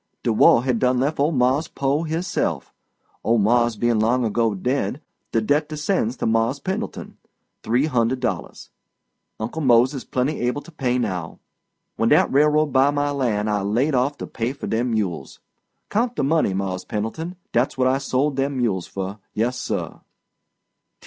De war had done lef' old mars' po' hisself. Old mars' bein' long ago dead, de debt descends to Mars' Pendleton. Three hundred dollars. Uncle Mose is plenty able to pay now. When dat railroad buy my lan' I laid off to pay fur dem mules. Count de money, Mars' Pendleton. Dat's what I sold dem mules fur. Yessir."